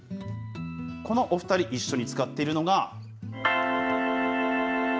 このお２人、一緒に使っているのが。